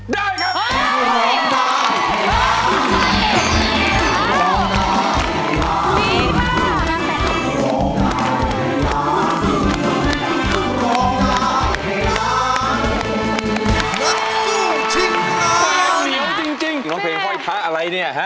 ได้ครับ